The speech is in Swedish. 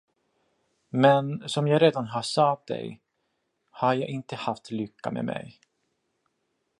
Men, som jag redan har sagt dig, har jag inte haft lycka med mig.